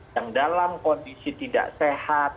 yang dalam kondisi tidak sehat